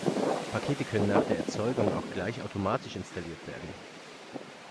Pakete können nach der Erzeugung auch gleich automatisch installiert werden.